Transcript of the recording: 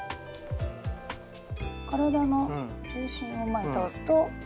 体の重心を前に倒すと。